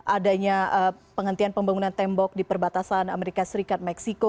adanya penghentian pembangunan tembok di perbatasan amerika serikat meksiko